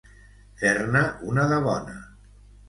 Fer-ne una de bona.